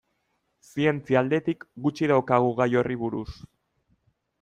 Zientzia aldetik gutxi daukagu gai horri buruz.